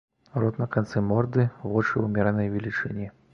Рот на канцы морды, вочы ўмеранай велічыні.